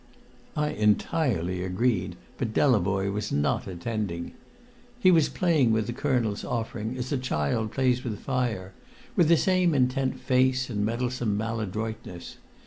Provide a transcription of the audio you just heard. I entirely agreed, but Delavoye was not attending. He was playing with the colonel's offering as a child plays with fire, with the same intent face and meddlesome maladroitness.